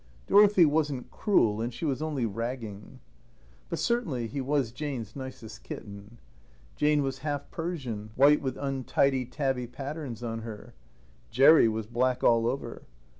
Dorothy wasn't cruel, and she was only ragging. But certainly he was Jane's nicest kitten. Jane was half Persian, white with untidy tabby patterns on her. Jerry was black all over.